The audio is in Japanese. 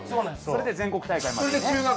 それで全国大会までね。